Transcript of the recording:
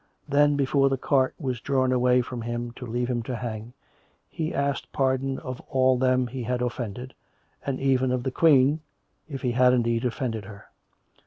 Then, before the cart was drawn away from him to leave him to hang, he asked pardon of all them he had offended, and even of the Queen, if he had in deed offended her.